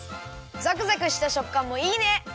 ザクザクしたしょっかんもいいね！